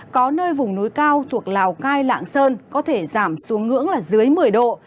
có nơi vùng núi cao thuộc lào cai lạng sơn có thể giảm xuống ngưỡng là dưới một mươi độ